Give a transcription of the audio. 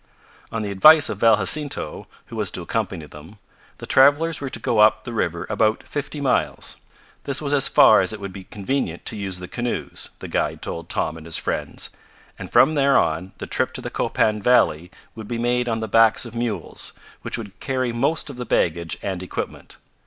On the advice of Val Jacinto, who was to accompany them, the travelers were to go up the river about fifty miles. This was as far as it would be convenient to use the canoes, the guide told Tom and his friends, and from there on the trip to the Copan valley would be made on the backs of mules, which would carry most of the baggage and equipment.